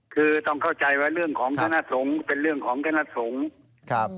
คือต้องเข้าใจว่าเรื่องของคณะสงฆ์เป็นเรื่องของคณะสงฆ์ครับ